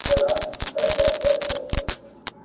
دواړي تلي مي سوځیږي په غرمو ولاړه یمه.